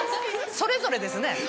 それぞれですね。